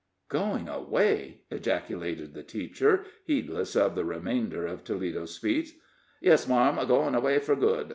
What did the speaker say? "Going away!" ejaculated the teacher, heedless of the remainder of Toledo's sentence. "Yes, marm; goin' away fur good.